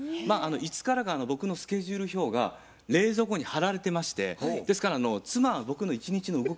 いつからか僕のスケジュール表が冷蔵庫に貼られてましてですから妻は僕の一日の動きを全て把握してんですね。